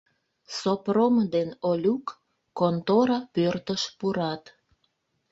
Сопром ден Олюк контора пӧртыш пурат.